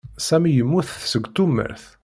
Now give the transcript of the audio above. Sami yemmut seg tumert.